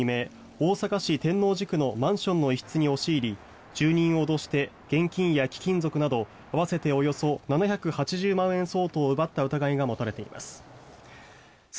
大阪市天王寺区のマンションの一室に押し入り住人を脅して現金や貴金属など合わせておよそ７８０万円相当を奪った疑いが持たれています。